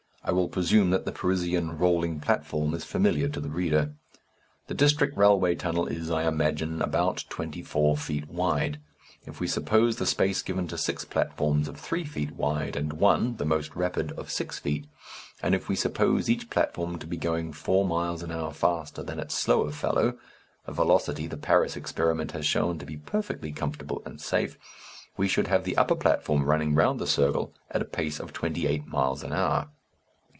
I will presume that the Parisian "rolling platform" is familiar to the reader. The district railway tunnel is, I imagine, about twenty four feet wide. If we suppose the space given to six platforms of three feet wide and one (the most rapid) of six feet, and if we suppose each platform to be going four miles an hour faster than its slower fellow (a velocity the Paris experiment has shown to be perfectly comfortable and safe), we should have the upper platform running round the circle at a pace of twenty eight miles an hour.